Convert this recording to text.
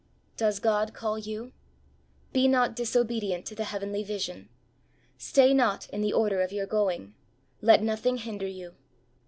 Does God call you ? Be not disobedient to the heavenly vision. Stay not in the order of your going. Let nothing hinder you.